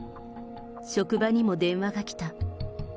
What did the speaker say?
職場にも電話が来た。